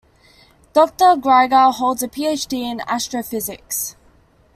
Doctor Grygar holds a Ph.D. in astrophysics.